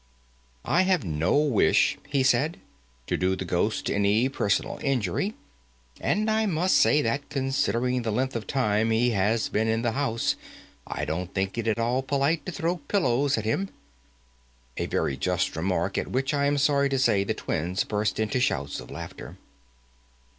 "I have no wish," he said, "to do the ghost any personal injury, and I must say that, considering the length of time he has been in the house, I don't think it is at all polite to throw pillows at him," a very just remark, at which, I am sorry to say, the twins burst into shouts of laughter.